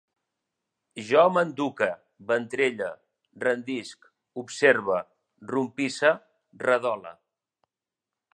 Jo manduque, ventrelle, rendisc, observe, rompisse, redole